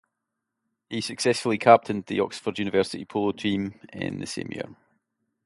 He successfully captained the Oxford University Polo Team in the same year.